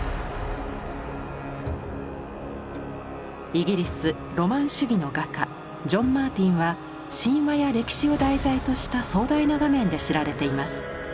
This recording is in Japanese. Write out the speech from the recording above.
イギリスロマン主義の画家ジョン・マーティンは神話や歴史を題材とした壮大な画面で知られています。